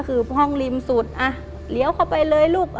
คือห้องริมสุดเลี้ยวเข้าไปเลยลูก